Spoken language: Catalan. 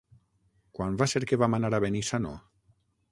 Quan va ser que vam anar a Benissanó?